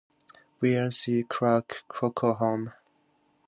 Weir and C. Clark Cockerham.